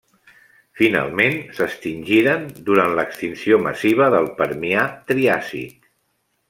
Finalment, s'extingiren durant l'extinció massiva del Permià-Triàsic.